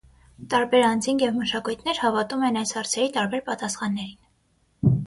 Տարբեր անձինք և մշակույթներ հավատում են այս հարցերի տարբեր պատասխաններին։